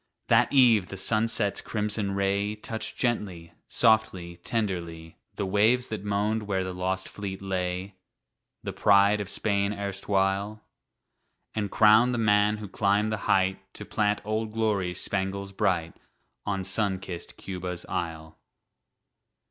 That eve the sunset's crimson ray Touched gently, softly, tenderly The waves that moaned where the lost fleet lay, The pride of Spain erstwhile, And crowned the man who climbed the height To plant "Old Glory's" spangles bright On sun kissed Cuba's Isle.